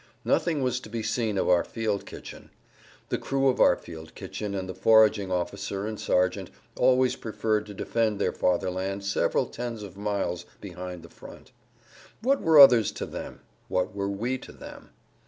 Nothing was to be seen of our field kitchen. The crew of our field kitchen and the foraging officer and sergeant always preferred to defend their Fatherland several tens[Pg 110] of miles behind the front. What were others to them? What were we to them?